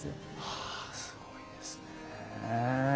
はあすごいですね。